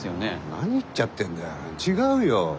何言っちゃってんだよ違うよ。